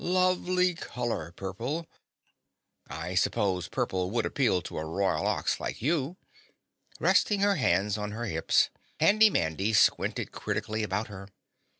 Lovely color, purple!" "I suppose purple would appeal to a Royal Ox like you." Resting her hands on her hips, Handy Mandy squinted critically about her.